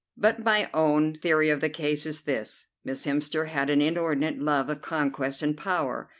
But my own theory of the case is this: Miss Hemster had an inordinate love of conquest and power.